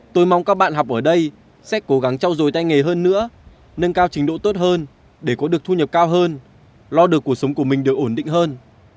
tôi mong các bạn học ở đây sẽ cố gắng trao dồi tay nghề hơn nữa nâng cao trình độ tốt hơn để có được thu nhập cao hơn lo được cuộc sống của mình được ổn định hơn